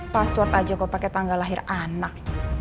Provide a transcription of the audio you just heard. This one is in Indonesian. password aja kok pakai tanggal lahir anak